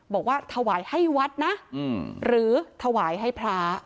บอกว่าถวายให้วัดนะหรือถวายให้พระ